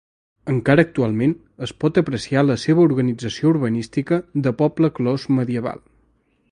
Encara actualment es pot apreciar la seva organització urbanística de poble clos medieval.